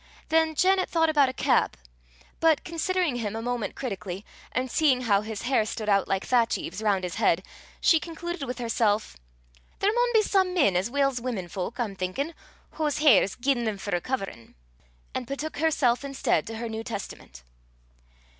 Then Janet thought about a cap; but considering him a moment critically, and seeing how his hair stood out like thatch eaves round his head, she concluded with herself "There maun be some men as weel 's women fowk, I'm thinkin', whause hair's gi'en them for a coverin'," and betook herself instead to her New Testament.